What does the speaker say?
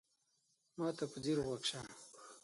ما ته په ځیر غوږ شه !